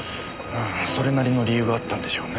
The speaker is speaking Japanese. それなりの理由があったんでしょうね。